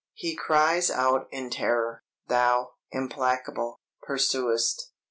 "He cries out in terror; thou, implacable, pursuest.